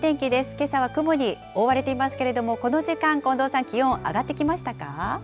けさは雲に覆われていますけれども、この時間、近藤さん、気温、上がってきましたか。